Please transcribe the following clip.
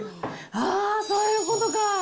ああ、そういうことか。